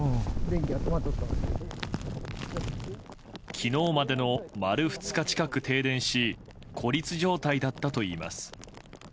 昨日までの丸２日近く停電し孤立状態だったといいます。